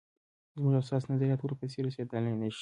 زموږ او ستاسو نظریات ورپسې رسېدلای نه شي.